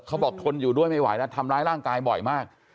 เขาบอกทนอยู่ด้วยไม่ไหวนะทำร้ายร่างกายบ่อยมาก